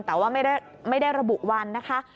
แต่ว่าไม่ได้ระบุวันนะคะ